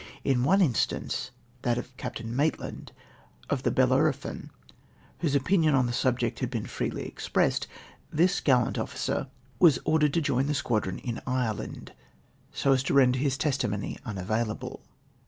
In one instance — that of Captain Maitland, of the Bellerophon, whose opinions on the subject had been freely expressed — this gallant officer was ordered to ADMIRAL AUSTENS OPINIONS 41 join the squadron in Ireland, so as to render his testi mony unavailaljle.